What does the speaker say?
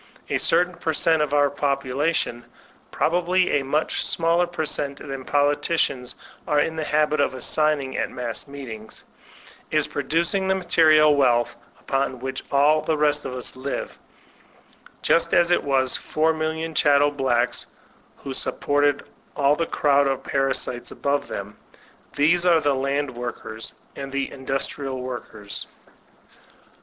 A certain per cent, of our population (probably a much smaller per cent, than politicians are in the habit of assigning at mass meetings) is produc ing the material wealth upon which all the rest of us live ; just as it was the 4,000,000 chattel blacks who supported all the crowd of parasites above them. These are the land workers and the industrial workers.